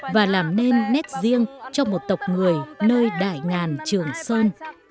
và làm nên nét riêng cho một tộc người nơi đại ngàn trường sơn